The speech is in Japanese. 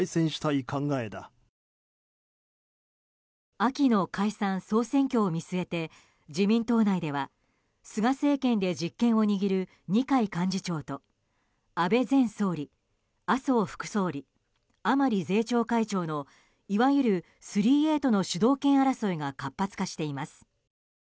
秋の解散・総選挙を見据えて自民党内では菅政権で実権を握る二階幹事長と安倍前総理、麻生副総理甘利税調会長のいわゆる３Ａとの主導権争いが活発化しています。